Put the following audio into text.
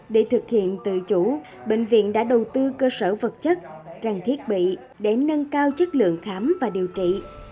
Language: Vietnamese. để thực hiện tự chủ bệnh viện đã đầu tư cơ sở vật chất trang thiết bị để nâng cao chất lượng khám và điều trị